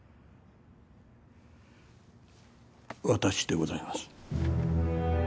私でございます。